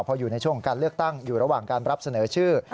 พออยู่ในช่วงของการเลือกตั้งอยู่ระหว่างการรับเสนอชื่อ